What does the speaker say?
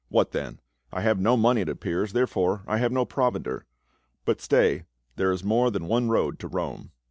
"What then, I have no money it ap pears, therefore I can have no provender. But stay, there is more than one road to Rome."